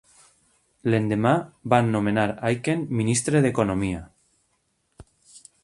L'endemà, van nomenar Aiken ministre d'Economia.